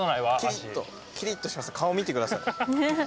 キリッと顔見てください。